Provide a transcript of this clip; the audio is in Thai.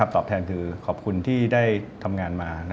ตอบแทนคือขอบคุณที่ได้ทำงานมา